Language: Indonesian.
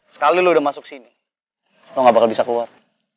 sekali lo udah masuk sini lo gak bakal bisa keluar